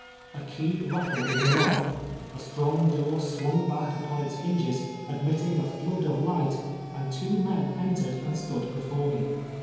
A key rattled in the lock — a strong door swung back upon its hinges, admitting a Hood of light, and two men entered and stood l)efore mo.